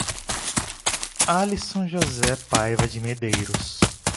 Alisson José Paiva de Medeiros